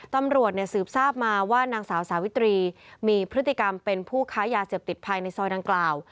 ตำรวจสืบทราบมาว่านางสาวสาวิตรีมีพฤติกรรมเป็นผู้ค้ายาเสพติดภายในซอยดังกล่าว